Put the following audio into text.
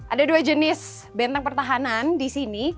ada dua jenis benteng pertahanan disini